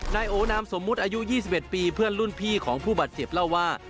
นายโอนามสมมุติอายุ๒๑ปีเพื่อนรุ่นพี่ของผู้บาดเจ็บเล่าว่า